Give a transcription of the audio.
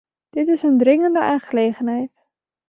Dit is een dringende aangelegenheid.